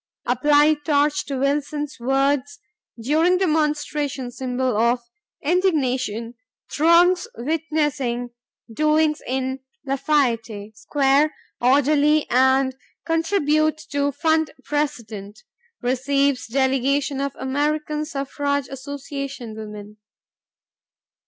Apply Torch to Wilson's Words During Demonstration Symbol of 'Indignation'—Throngs Witnessing Doings in Lafayette Square Orderly and Contribute to Fund—President Receives Delegation of American Suffrage Association Women."